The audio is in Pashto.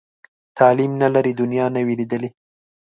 تعلیم نه لري، دنیا نه وي لیدلې.